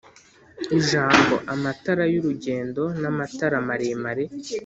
Ijambo “Amatara y'urugendo n’amatara maremare